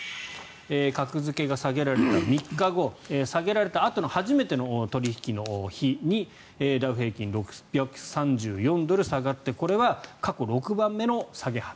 格付けが下げられた３日後下げられたあとの初めての取引の日にダウ平均、６３４ドル下がってこれは過去６番目の下げ幅。